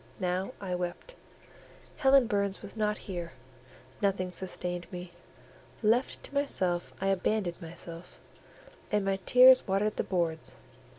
Now I wept: Helen Burns was not here; nothing sustained me; left to myself I abandoned myself, and my tears watered the boards.